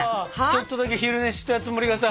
ちょっとだけ昼寝したつもりがさ